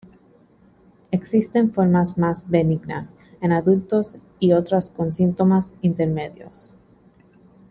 Existen formas más benignas en adultos y otras con síntomas intermedios.